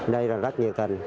đây là rất nhiệt tình